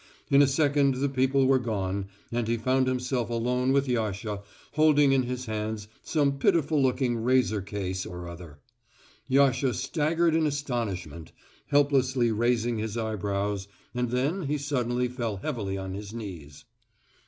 In a second the people were gone and he found himself alone with Yasha, holding in his hands some pitiful looking razor case or other. Yasha staggered in astonishment, helplessly raising his eyebrows, and then he suddenly fell heavily on his knees.